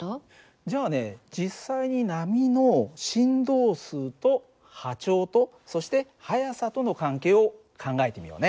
じゃあね実際に波の振動数と波長とそして速さとの関係を考えてみようね。